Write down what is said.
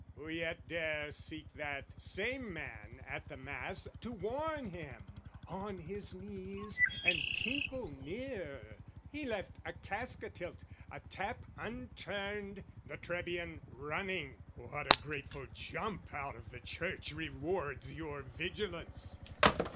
Who yet dare seek that same man at the Mass To warn him on his knees, and tinkle near, He left a cask a tilt, a tap unturned, The Trebbian running: what a grateful jump Out of the Church rewards your vigilance!